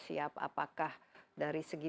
siap apakah dari segi